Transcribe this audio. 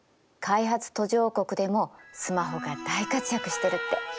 開発途上国でもスマホが大活躍してるって。